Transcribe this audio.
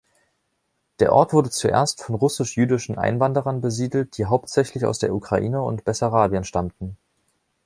Der Ort wurde zuerst von russisch-jüdischen Einwanderern besiedelt, die hauptsächlich aus der Ukraine und Bessarabien stammten.